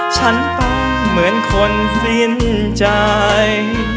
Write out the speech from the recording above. ฉันต้องเหมือนคนสิ้นใจ